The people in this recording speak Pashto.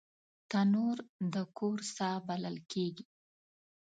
تنور د کور ساه بلل کېږي